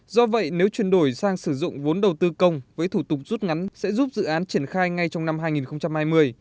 do vậy nếu chuyển đổi sang sử dụng vốn đầu tư công với thủ tục rút ngắn sẽ giúp dự án triển khai ngay trong năm hai nghìn hai mươi